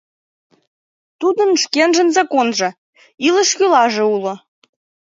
Тудын шкенжын законжо, «илыш-йӱлаже» уло.